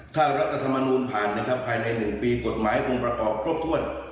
ถ้ารัฐธรรมนูลผ่านนะครับภายใน๑ปีกฎหมายคงประกอบครบถ้วน